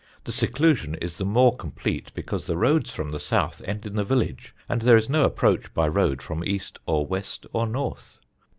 The seclusion is the more complete because the roads from the South end in the village and there is no approach by road from East or West or North.